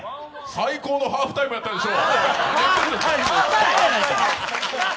最高のハーフタイムだったでしょ。